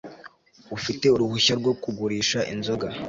ufite uruhushya rwo kugurisha inzoga